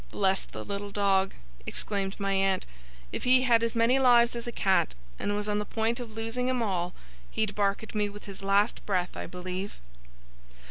Bless the little dog!' exclaimed my aunt, 'if he had as many lives as a cat, and was on the point of losing 'em all, he'd bark at me with his last breath, I believe!